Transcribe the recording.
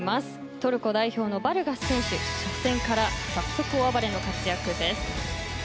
トルコ代表のバルガス選手初戦から早速大暴れの活躍です。